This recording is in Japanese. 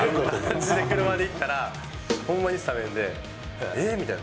車で行ったら、ほんまにスタメンで、えっ？みたいな。